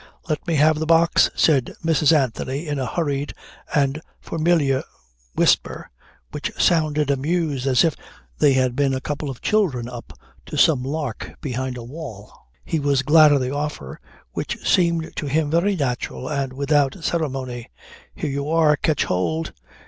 "Let me have the box," said Mrs. Anthony in a hurried and familiar whisper which sounded amused as if they had been a couple of children up to some lark behind a wall. He was glad of the offer which seemed to him very natural, and without ceremony "Here you are. Catch hold."